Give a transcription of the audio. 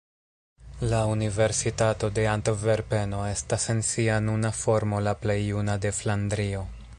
La Universitato de Antverpeno estas en sia nuna formo la plej juna de Flandrio.